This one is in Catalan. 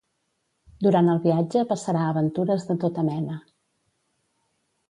Durant el viatge passarà aventures de tota mena.